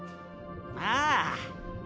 ああ。